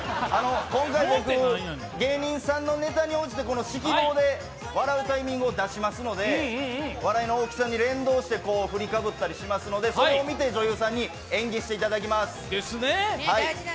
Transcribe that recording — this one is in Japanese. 今回僕、芸人さんのネタに応じて指揮棒で笑うタイミング出しますので笑いの大きさに連動して、ふりかぶったりしますので、それを見て、女優さんに演技していただきます。